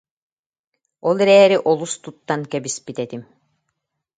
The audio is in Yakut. Ол эрээри олус туттан кэбиспит этим